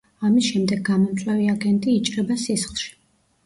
ამის შემდეგ გამომწვევი აგენტი იჭრება სისხლში.